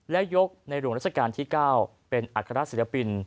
และยกในหลวงราชการที่๙เป็นอัครศิลปิน